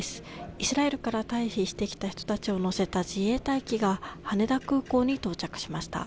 イスラエルから退避してきた人たちを乗せた自衛隊機が羽田空港に到着しました。